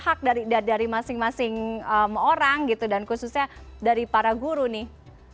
hak dari masing masing orang gitu dan khususnya dari para guru nih